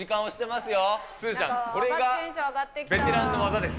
すずちゃん、これがベテランの技です。